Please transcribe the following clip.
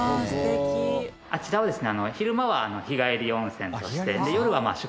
あちらはですね